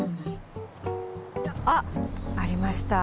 あっ、ありました。